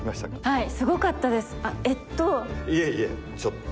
はい。